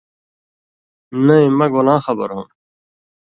نَیں مہ گولاں خبر ہوم